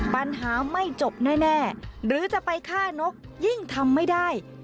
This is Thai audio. ปัญหาไม่จบแน่หรือจะไปฆ่านกยิ่งทำไม่ได้